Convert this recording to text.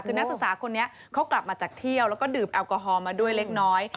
คือนักศึกษาคนนี้เขากลับมาจากเที่ยวแล้วก็ดื่มแอลกอฮอล์มาด้วยเล็กน้อย